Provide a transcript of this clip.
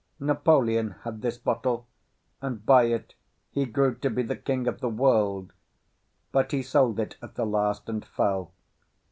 Napoleon had this bottle, and by it he grew to be the king of the world; but he sold it at the last, and fell.